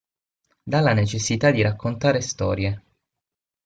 Della necessità di raccontare storie.